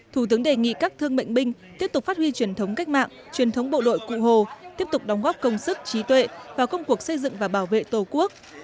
thủ tướng đề nghị các thương bệnh binh tiếp tục phát huy truyền thống cách mạng truyền thống bộ đội cụ hồ tiếp tục đóng góp công sức trí tuệ vào công cuộc xây dựng và bảo vệ tổ quốc